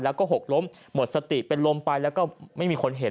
แล้วก็หกล้มหมดสติเป็นลมไปแล้วก็ไม่มีคนเห็น